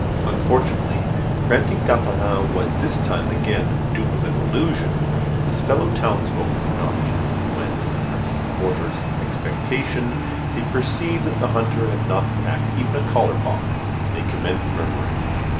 Unfortunately, granting Tartarin was this time again dupe of an illusion, his fellow townsfolk were not. When, after the quarter's expectation, they perceived that the hunter had not packed even a collar box, they commenced murmuring.